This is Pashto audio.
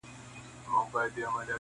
هم پروا نه لري -